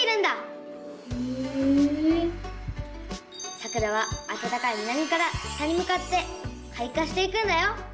さくらはあたたかい南から北にむかってかい花していくんだよ。